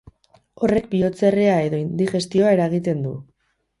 Horrek bihotzerrea edo indigestioa eragiten du.